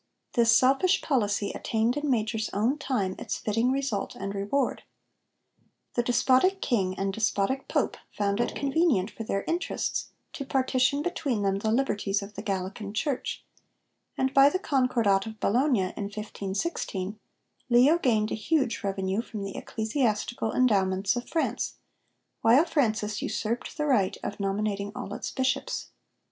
This selfish policy attained in Major's own time its fitting result and reward. The despotic King and despotic Pope found it convenient for their interests to partition between them the 'liberties' of the Gallican Church; and by the Concordat of Bologna in 1516, Leo gained a huge revenue from the ecclesiastical endowments of France, while Francis usurped the right of nominating all its bishops.